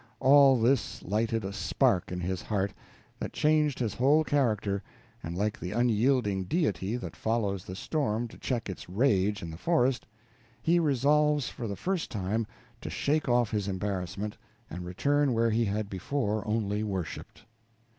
All this lighted a spark in his heart that changed his whole character, and like the unyielding Deity that follows the storm to check its rage in the forest, he resolves for the first time to shake off his embarrassment and return where he had before only worshiped.